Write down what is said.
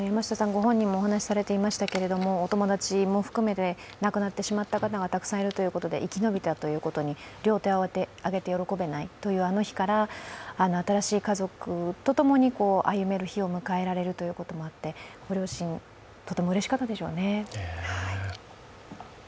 ご本人もお話しされていましたけれども、お友達も含めて亡くなってしまった方がたくさんいるということで生き延びたということに両手を挙げて喜べないというあの日から新しい家族とともに歩める日を迎えられるということもあってご両親、とてもうれしかったでしょうね。